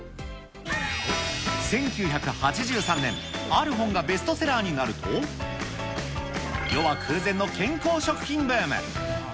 １９８３年、ある本がベストセラーになると、世は空前の健康食品ブーム。